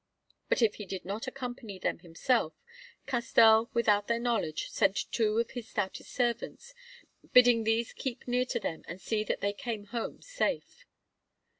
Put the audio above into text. But if he did not accompany them himself, Castell, without their knowledge, sent two of his stoutest servants, bidding these keep near to them and see that they came home safe.